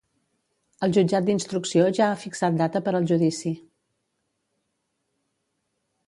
El jutjat d'instrucció ja ha fixat data per al judici.